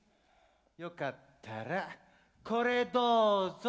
よかったらこれどうぞ。